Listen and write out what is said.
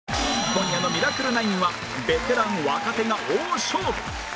今夜の『ミラクル９』はベテラン・若手が大勝負！